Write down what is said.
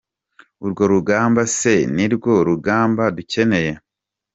Urwo rugambo se nirwo rugamba dukeneye?